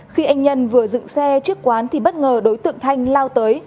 khi anh nhân vừa dựng xe trước quán thì bất ngờ đối tượng thanh lao tới